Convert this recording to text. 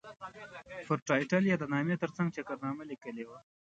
پر ټایټل یې د نامې ترڅنګ چکرنامه لیکلې وه.